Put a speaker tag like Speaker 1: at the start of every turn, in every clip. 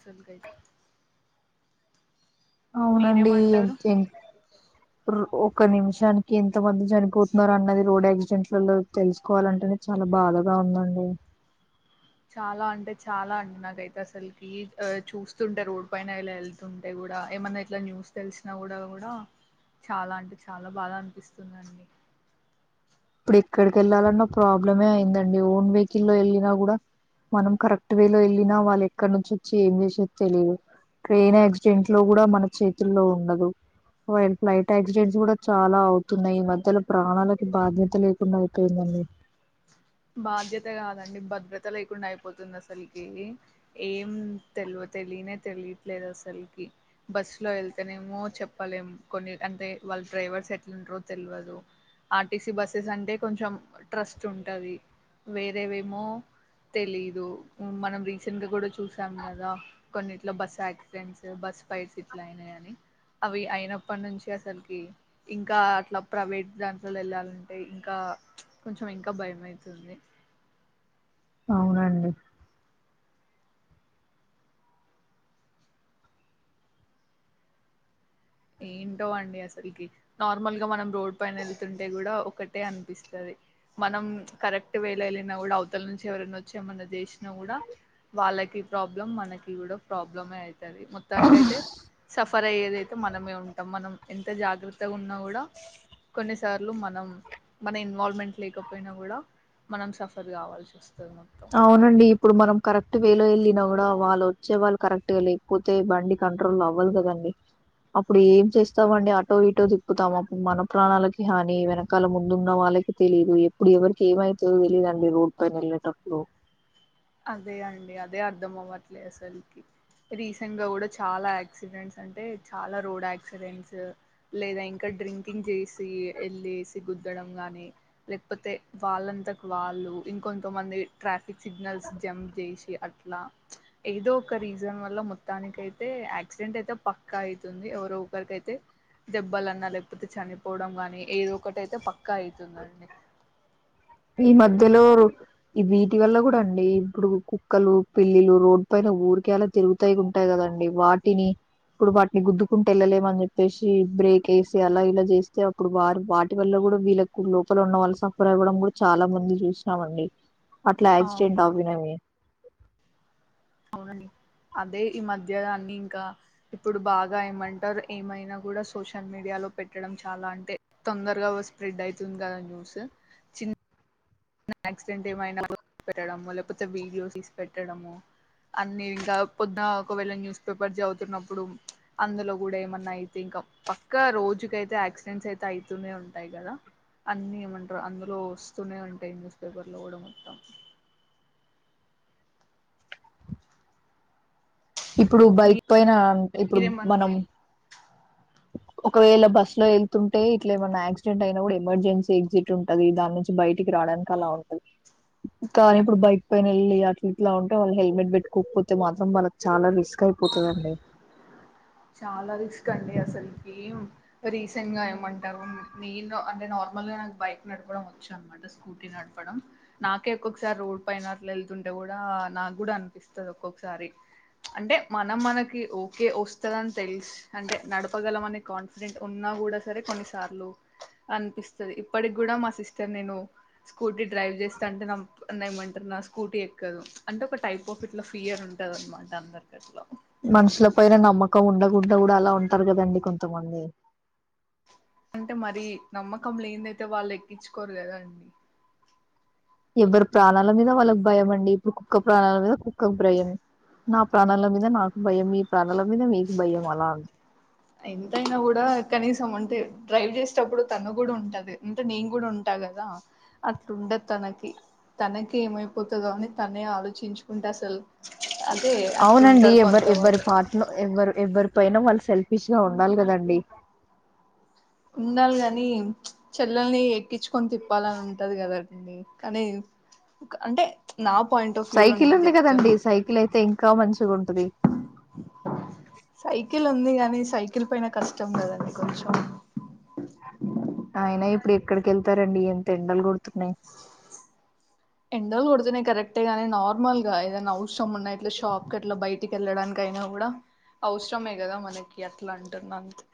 Speaker 1: చులుకైతే
Speaker 2: అవునండి ఎం ఎంత్ రు ఒక నిమిషానికి ఎం మంది చనిపోతున్నారు అన్నది రోడైన్ జంట్లలో తెలుసుకోవాలంటేనే చాలా బాధగా ఉందండి
Speaker 1: చాలా అంటే చాలా అండి నాకైతే అసలకి ఆ చూస్తుంటే రోడ్ పైన ఇలా వెళ్తుంటే ఏమన్నా ఇట్లా న్యూస్ తెలిసినా కూడా కూడా చాలా అంటే చాలా బాధ అనిపిస్తుంది అండి
Speaker 2: ఇప్పుడు ఎక్కడికి వెళ్ళాలన్న ప్రాబ్లమే అయిందండి ఓన్ వెహికల్ లో వెళ్ళినా కూడా మనం కరెక్ట్ వే లో వెళ్ళినా వాళ్ళు ఎక్కడి నుంచి వచ్చి ఏం చేసి తెలియదు ట్రైన్ యాక్సిడెంట్ లో కూడా మన చేతుల్లో ఉండదు ఫ్లైట్ యాక్సిడెంట్స్ కూడా చాలా అవుతున్నాయి ఈ మధ్యలో ప్రాణాలకి బాధ్యత లేకుండా ఐపోయిందండి
Speaker 1: బాధ్యత కాదండి భద్రత లేకుండా అయిపోతుంది అసలకి ఏం తెలివ తెలియనే తెలియట్లేదు అసలకి బస్సులో వెళ్తేనేమో చెప్పలేం కొన్ని అంటే వాళ్ళ డ్రైవర్స్ ఎట్లుంటారో తెలియదు ఆర్టీసీ బస్సెస్ అంటే కొంచెం ట్రస్ట్ ఉంటది వేరేవేమో తెలీదు మనం రీసెంట్ గా కూడా చూసాం కదా కొన్నిట్లో బస్ యాక్సిడెంట్స్ బస్ స్పైస్ ఇట్లైనై అని అవి అయినప్పటి నుంచి అసలకి ఇంకా అట్లా ప్రైవేట్ దాంట్లో వెళ్ళాలంటే ఇంకా క కొంచం ఇంకా భయం ఐతుంది
Speaker 2: అవునండి
Speaker 1: ఏంటో అండి అసలకి నార్మల్ గా మనం రోడ్ పైన వెళ్తుంటే కూడా ఒకటే అనిపిస్తది మనం కరెక్ట్ వేల వెళ్ళిన కూడా అవతల నుంచి ఎవరైనా వచి ఏమన్నా చేసిన కూడా వాళ్ళకి ప్రాబ్లం మనకి కూడా ప్రాబ్లమే అయితది మొత్తానికాయితే సఫర్ అయ్యేది మనమే ఉంటాం మనం ఎంత జాగ్రత్తగా ఉన్నా కూడా కొన్నిసార్లు మనం మన ఇన్వాల్వ్మెంట్ లేకపోయినా కూడా మనం సఫర్ కావాల్సి వస్తది మొత్తం
Speaker 2: అవునండి ఇప్పుడు మనం కరెక్ట్ ట్ వేలో వెళ్ళినా కూడా వాళ్ళు వచ్చే వాళ్ళు కరెక్ట్ గా లేకపోతే బండి కంట్రోల్ అవ్వదు కదండి అప్పుడు ఏం చేస్తామండి అటో ఇటో తిప్పుతాం మన ప్రాణాలకి హాని వెనకాల ముందున్న వాళ్ వాళ్ళకి తెలిదు ఎప్పుడు ఎవరికి ఏమైతదో తెలీదండి రోడ్డు పైన వెళ్ళేటప్పుడు
Speaker 1: అదే అండి అదే అర్ధం అవ్వట్లేదు అసలకి రీసెంట్ గా కూడా చాలా యాక్సిడెంట్స్ అంటే చాలా రోడ్ యాక్సిడెంట్స్ లేదా ఇంకా డ్రింకింగ్ చేసి ఎళ్ళేసి గుద్దడం గాని లేకపోతే వాళ్ళంతాకు వాళ్ళు ఇంకొంత మంది ట్రాఫిక్ సిగ్నల్స్ జంప్ చేసి అట్లా ఏదో ఒక రీజన్ వల్ల మొత్తానికియితే యాక్సిడెంట్ అయితే పక్కా అయితుంది ఎవరొకరికైతే దెబ్బలన్నా లేకపోతే చనిపోవడం గాని ఏదో ఒకటి అయితే పక్కా అయితుందండి.
Speaker 2: ఈ మధ్యలోరు ఈ వీటి వల్ల కూడా అండి ఇప్పుడు కుక్కలు పిల్లీలు రోడ్డు పైన ఊరికే అలా తిరుగుతాయి ఉంటాయి కదా అండి వాటిని ఇప్పుడు వాటిని గుద్దుకుంటూ వెళ్ళలేమని చెప్పేసి బ్రేక్ వేసి అలా ఇలా చేస్తే అప్పుడు వారు వాటి వల్ల కూడా వీళ్ళకు లోపల ఉన్న వాళ్ళు సఫర్ అవ్వడం కూడా చాలా మంది చూసినామండి అట్లా
Speaker 1: అవును
Speaker 2: యాక్సిడెంట్ అవినవి
Speaker 1: అవునండి అదే ఈ మధ్య దాన్ని ఇంకా ఇప్పుడు బాగా ఏమంటారు ఏమైనా కూడా సోషల్ మీడియాలో పెట్టడం చాలా అంటే తొందరగా స్ప్రెడ్ అయితుంది కదా న్యూస్ చిన్న యాక్సిడెంట్ ఏమైనా పెట్టడము లేకపోతే వీడియో తీసి పెట్టడము అన్ని ఇంకా పొద్దున ఒకవేళ న్యూస్ పేపర్ చదువుతున్నప్పుడు అందులో కూడా ఏమన్నా అయితే ఇంకా పక్క రోజుకైతే యాక్సిడెంట్స్ అయితే అయితూనే ఉంటాయి కదా. అన్ని ఏమంటరు అందులో వస్తూనే ఉంటాయి. న్యూస్ పేపర్ లో కూడా మొత్తం
Speaker 2: ఇప్పుడు బైక్ పైన ఇప్పుడు
Speaker 1: మీరేమన్నా
Speaker 2: మనం ఒకవేళ బస్సులో ఎళ్తుంటే ఇట్లా ఏమైన్నా యాక్సిడెంట్ అయిన కూడా ఎమర్జెన్సీ ఎగ్జిట్ ఉంటది దాని నుంచి బయటికి రావడానికి అలా ఉంటది. కానీ ఇప్పుడు బైక్ పైన వెళ్ళి ఇట్లా ఉంటే వాళ్ళు హెల్మెట్ పెట్టుకోపోతే మాత్రం వాళ్ళకి చాలా రిస్క్ అయిపోతదండి.
Speaker 1: చాలా రిస్క్ అండి. అసలుకి రీసెంట్ గా ఏమంటారు నేను అంటే నార్ మల్లి నాక్ బైక్ నడపడం వచ్చు అనమాట. స్కూటీ నడపడం నాకే ఒక్కొక్కసారి రోడ్ పైన అట్ల వెళ్తుంటే కూడా నాకు కూడా అనిపిస్తది. ఒక్కొక్కసారి అంటే మనం మనకి ఓకే వస్ వస్తదని తెలుసు అంటే నడపగలం అనే కాన్ఫిడెంట్ ఉన్నా కూడా సరే కొన్నిసార్లు అన్ ఇప్పటికి కూడా మా సిస్టర్ నేను స్కూటీ డ్రైవ్ చేస్తా అంటే నా ఏమంటరు స్కూటీ ఎక్కదు అంటే ఒక టైప్ ఆఫ్ ఇట్లా ఫియర్ ఉంటది అనమాట అందరు
Speaker 2: మనుషుల పైన నమ్మకం ఉండకుండా కూడా అలా ఉంటరు కదండి కొంతమంది
Speaker 1: అంటే మరి నమ్మకం లేన్దయితే వాళ్ళు ఎక్కించుకోరు కదాండి.
Speaker 2: ఎవ్వరి ప్రాణాల మీద వాళ్ళకి భయం అండి. ఇప్పుడు కుక్క ప్రాణాల మీద కుక్కకి భ్రయం నా ప్రాణాల మీద నాకు భయం. మీ ప్రాణాల మీద మీకు భయం అలా ఉం
Speaker 1: ఎంతయినా కూడా కనీసం ఉంటే డ్రైవ్ చేసేటప్పుడు తను గూడా ఉంటది. అంటే నేను కూడా ఉంటా. కదా అట్లుండద్ తనకి తనకి ఏమైపోతదో అని తనే ఆలోచించుకుంట అసలు అదే
Speaker 2: అవునండి
Speaker 1: అట్లుంటారు
Speaker 2: ఎవ్వరు ఎవ్వరి
Speaker 1: కొంతమంది
Speaker 2: పాట్లు ఎవ్వరు ఎవ్వరు పైన వాళ్ళు సెల్ఫీస్గా ఉండాలి కదండి.
Speaker 1: ఉండాలి కాని చెల్లెల్ని ఎక్కించుకొని తిప్పాలని ఉంటది కదండి కానీ అంటే నా పాయింట్ ఆఫ్ వ్యూ లో
Speaker 2: సైకిల్
Speaker 1: నేను
Speaker 2: ఉంది
Speaker 1: చెప్తాను
Speaker 2: కదండి. సైకిల్ అయితే ఇంకా మంచిగ ఉంటది.
Speaker 1: ఎక్కిలిపోయిన కష్టం కదండి కొంచెం
Speaker 2: అయినా ఇప్పుడు ఎక్కడికెళ్తారండి ఎంత ఎండలు కొడుతున్నాయ్.
Speaker 1: ఎండలు కొడుతున్నాయి కరెక్టే గాని, నార్మల్ గా ఏదైనా అవసరం ఉన్నా ఇట్లా షాప్ కట్లా బయ ఇంటిక వెళ్ళడానికైనా కూడా అవసరమే గదా మనకి అట్లా అంటున్నా అంతే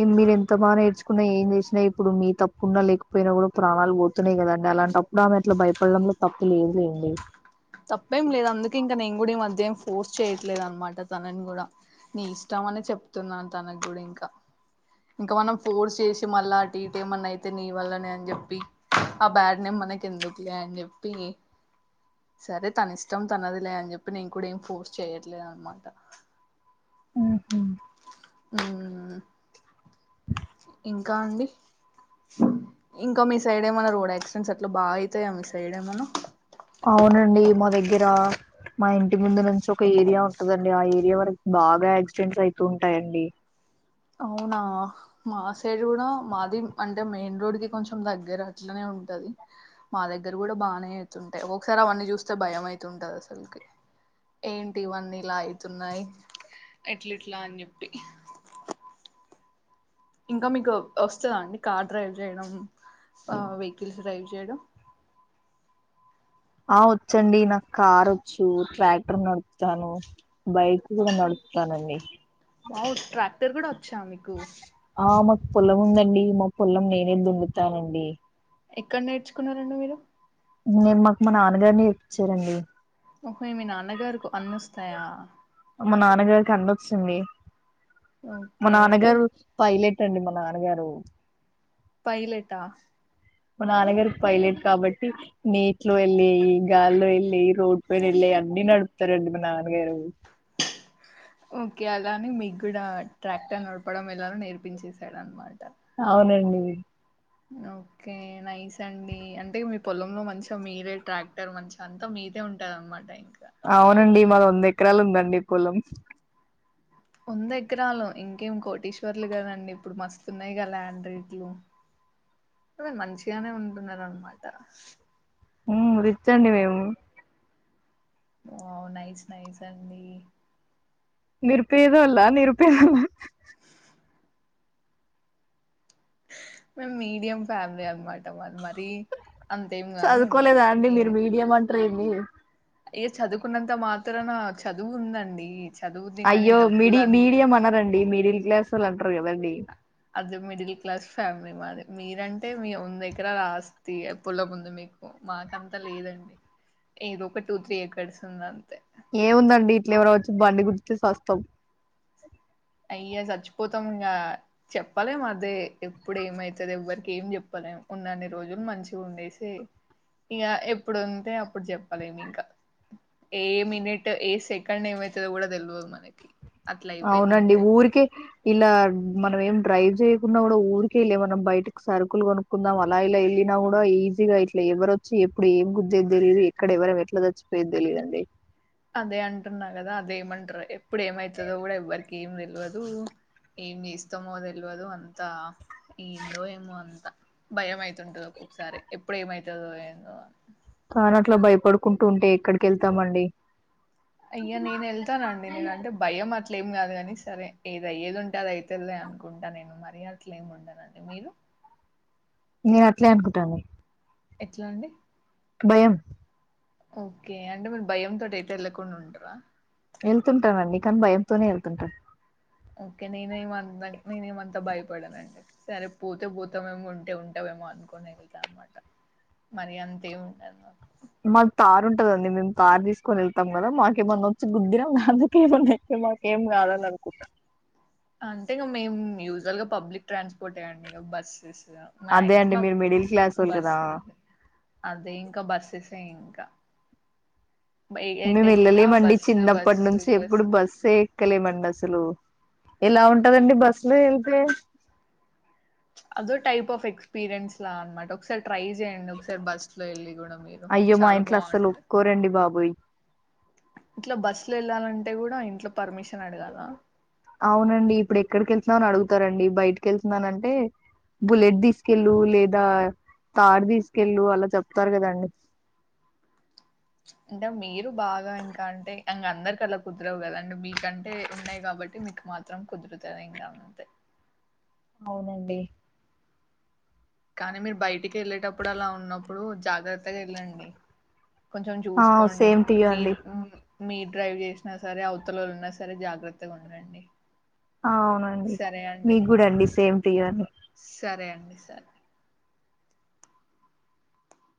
Speaker 2: ఏం మీరు ఎంత బా నేర్చుకున్నా ఏం చేసినా ఇప్పుడు మీ తప్పున్నా లేకపోయినా కూడా ప్రాణాలు పోతున్నాయి కదాం అలాంటప్పుడు ఆమె అట్ల భయపడడంలో తప్పు లేదు లేండి.
Speaker 1: తప్పేం లేదు. అందుకే ఇంకా నేను గుడా ఈ మధ్య ఫోర్స్ చేయట్లేదు అనమాట. తనని కూడా నీ ఇష్టం అని చెప్తున్నాను తనకు గుడా ఇంకా ఇంకా మనం ఫోర్స్ చేసి మళ్ళా అటు ఇటు ఏమన్నా అయితే నీ వల్లనే అని చెప్పి ఆ బ్యాడ్ నేమ్ మనకి ఎందుకులే అని చెప్పి సరే తన ఇష్టం. తనదిలే అని చెప్పి నేను కూడా ఏం ఫోర్స్ చెయట్లేదు అనమాట.
Speaker 2: ఉహు
Speaker 1: ఉ ఇంకా అండి ఇంకా మీ సైడ్ ఏమన్న రోడ్ యాక్సిడెంట్స్ అట్ల బాగ అయితాయా మీ సైడ్ ఏమన్నా
Speaker 2: అవునండి మా దగ్గరా మా ఇంటి ముందు నుంచి ఒక ఏరియా ఉంటదండి. ఆ ఏరియా వరకు బాగా యాక్సిడెంట్స్ అయితూ ఉంటాయండి.
Speaker 1: అవునా మా సైడ్ కూడా మాది అంటే మెయిన్ రోడ్ కి కొంచెం దగ్గర అట్లనే ఉంటది మా దగ్గర కూడా బానే అవుతుంటాయి. ఒక్కొకసారి అవన్నీ చూస్తే భయం అయితుంటది. అసలకి ఏంటి ఇవన్నీ ఇలా అయితున్నాయి ఎట్లట్లా అని చెప్పి ఇంకా మీకు వస్తదా అండి కార్ డ్రైవ్ చేయడం. ఆ వెయికిల్స్ డ్రైవ్ చేయడం
Speaker 2: ఆ వచ్చండి. నాకు కార్ వచ్చు. ట్రాక్టర్ నడుపుతాను. బైక్ కూడా నడుపు ట్లానండి
Speaker 1: వావ్ ట్రాక్టర్ కూడా వచ్చా మీకు
Speaker 2: ఆ మాకు పొలం ఉందండి. మా పొలం నేనే దున్నుతానండి.
Speaker 1: ఎక్కడ నేర్చుకున్నారండి మీరు
Speaker 2: నేను మాకు మా నాన్నగారి నేరిప్పించారండి
Speaker 1: ఒకే మీ నాన్నగారికు అన్ని వస్తయా
Speaker 2: మా నాన్నగారికి అన్న వచ్చింది మా
Speaker 1: ఓకే అంటే
Speaker 2: నాన్నగారు పైలెట్ ట్టండి మా నాన్నగారు
Speaker 1: పైలేటా
Speaker 2: మా నాన్నగారికి పైలట్ కాబట్టి నీటిలో వెళ్ళియి గాలిలో వెళ్ళేయి రోడ్డు పైన వెల్ అన్ని నడుపుతారు మా నాన్నగారు
Speaker 1: ఓకే అలానే మీగూడా ట్రాక్టర్ నడపడం ఎలా నేర్పించేసాడు అనమాట.
Speaker 2: అవునండి
Speaker 1: ఓకే నైస్ అండి. అంటే మీ పొలంలో మంచిగా మీరే ట్రాక్టర్ మంచి అంతా మీ యితే ఉంటా అమ్మ టైం
Speaker 2: అవునండి మాది వంద ఎకరాలు ఉందండి పొలం
Speaker 1: వంద ఎకరాలు ఇంకేం కోటీశ్వర్లు గదండి ఇప్పుడు మస్తున్నాయి కదా ఆండ్రయిడ్లు మంచిగానే ఉంటున్నారు అన్నమాట
Speaker 2: ఉ రిచ్ అండి మేము
Speaker 1: ఓ నయిస్ నయిస్ అండి
Speaker 2: నిరుపేదోళ్ళ నిరుపేద
Speaker 1: మేం మీడియం ఫ్యామిలీ అనమాట మాది మరి
Speaker 2: చదువుకోలేదా అండి. మీరు మీడియం అంటరు ఏంది
Speaker 1: అయ చదువుకున్నంత మాత్రనా చదువు ఉందండి చదువుది గాని
Speaker 2: అయ్యో
Speaker 1: డబ్బులు
Speaker 2: మీడి
Speaker 1: అంతే
Speaker 2: మీడియం అనరండి. మిడిల్ క్లాస్ వాళ్ళు అంటరు కదండీ.
Speaker 1: అది మిడిల్ క్లాస్ ఫ్యామిలీ మాది మీరంటే మీ ఉంద ఎకరాల ఆస్తి పొలము ఉంది మీకు మాకంతా లేదండి ఏదో ఒక టూ త్రీ ఎకర్స్ ఉంది అంతే
Speaker 2: ఏముందండి ఇట్ల ఎవరో వచ్చి బండి గుద్దితే సస్తాం.
Speaker 1: అయ్య చచ్చిపోతాం ఇంగా చెప్పలేం అదే ఎప్పుడు ఏమయితది ఎవ్వరిక ఏం చెప్పలేం. ఉన్న అన్ని రోజులు మంచిగా ఉండేసి ఇగ ఎప్పుడుంటే అప్పుడు చెప్పాలమి ఇంకా ఏ మినిట్ ఏ సెకండ్ ఏమైతదో కూడా తెల్వదు మనకి అట్లా అయిపోయింది అంత
Speaker 2: ఊరికె ఇలా మనం ఏం డ్రైవ్ చేయకున్నా కూడా ఊరిక వెళ్లే మనం బయటకి సరుకులు కొనుక్కుందాం అలా ఇలా వెళ్ళిన కూడా ఈజీగా ఇట్లా ఎవరొచ్చి ఎప్పుడు ఏం గుద్దేదిో తెలియదు. ఎక్కడ ఎవరం ఎట్లా చచ్చిపోయేద్ది తెలీదు అండి.
Speaker 1: అదే అంటున్నా కదా అదే ఏమంటరు ఎప్పుడు ఏమయితదో కూడా ఎవ్వరికి ఏం తెల్వదు. ఏమి ఇస్తమో తెల్వదు అంతా ఏందో ఏమో అంత భయం అయితుంటది. ఒక్కొక్కసారి ఎప్పుడు ఏమయితదో ఏందో
Speaker 2: తాన అట్లా భయపడుకుంటూ ఉంటే ఎక్కడికి వెళ్తామండి.
Speaker 1: అయ్యా నేను వెళ్తానండి నేనంటే భయం అ అట్లేం కాదు కాని సరే ఏదియ్యేది ఉంటే అది అయితదిలే అనుకుంటా నేను. మరీ అట్లేం ఉండనండి మీరు.
Speaker 2: నేను అట్లే అనుకుంటాండి
Speaker 1: ఎట్లా అండి
Speaker 2: భయం
Speaker 1: ఓకే అంటే మీరు భయంతో ఎటేళ్ళకుండా ఉంటారా
Speaker 2: వెళ్తుంటానండి కానీ భయంతోనే వెళ్తుంటాను.
Speaker 1: ఓకే నేనే మంత నేనేమంతా భయపడనండి సరే పోతే పోతామేము ఉంటే ఉంటాం మో అనుకోని వెళ్తా అన్నమాట మరి అంతే ఉండదు నాకు
Speaker 2: మాకు తారు ఉంటదండి. మేము కారు తీసుకొని వెళ్తాం. కదా మాకేమన్నా వచ్చి గుద్దిర అందుకేమ మాక ఏం కాదన్ అనుకుంటా
Speaker 1: అంతే ఇక మేము యూజువల్ గా పబ్లిక్ ట్రాన్స్పోర్ట్ అండి ఇక బస్సెస్
Speaker 2: అదే అండి
Speaker 1: మాక్సిమం
Speaker 2: మీరు మిడిల్ క్లాస్ వాళ్ళు కదా
Speaker 1: బస్సెస్ అదే ఇంకా బస్సెసే ఇంకా ఎ- ఎటు
Speaker 2: మేము
Speaker 1: వెళ్ళినా
Speaker 2: వెళ్ళలేమండి
Speaker 1: బస్సు
Speaker 2: చిన్నప్పటి
Speaker 1: బస్సు
Speaker 2: నుంచి ఎప్పుడు బస్సు ఎక్కలేమండి అసలు ఎలా ఉంటదండి బస్లో వెళ్తే
Speaker 1: అదో టైప్ ఆఫ్ ఎక్స్పీరియన్స్లా అన్నమాట ఒకసారి ట్రై చేయండి ఒకసారి బస్ లో వెళ్ళి కూడా మీరు
Speaker 2: అయ్యో మా
Speaker 1: చాలా
Speaker 2: ఇంట్లో అస్సలు
Speaker 1: బాగుంటాది
Speaker 2: ఒప్పుకోరండి బాబోయ్
Speaker 1: ఇట్లా బస్సు లో వెళ్ళాలంటే కూడా ఇంట్లో పర్మిషన్ అడగాలా
Speaker 2: అవునండి ఇప్పుడు ఎక్కడికెళ్తున్నా అని అడుగుతారండి బయటకి వెళ్తున్నాను అంటే బుల్లెట్ తీసుకెళ్ళు లేదా తార్ తీసుకెళ్ళు అలా చెప్తారు కదండి
Speaker 1: అంటే మీరు బాగా ఇంకా అంటే అందరికలా కుదరవు కదాండి మీకంటే ఉన్నాయి కాబట్టి కాబట్టి మీకు మాత్రం కుదురుతనంగా ఉంతే
Speaker 2: అవునండి
Speaker 1: కానీ మీరు బయటికి వెళ్ళేటప్పుడు అలా ఉన్నప్పుడు జాగ్రత్తగా వెళ్ళండి కొంచెం
Speaker 2: ఆ
Speaker 1: చూసుకోండి
Speaker 2: సేమ్ టు యూ అండి
Speaker 1: మీరు మీ డ్రైవ్ చేసిన సరే అవతలన్నా సరే జాగ్రత్తగా ఉండండి
Speaker 2: అవునండి
Speaker 1: సరే అండి
Speaker 2: మీకు కూడా అండి సేమ్ టీ ర్
Speaker 1: సరే సరే